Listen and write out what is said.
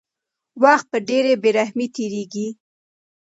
وخت په ډېرې بې رحمۍ تېرېږي.